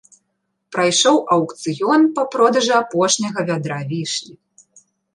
Прайшоў аўкцыён па продажы апошняга вядра вішні.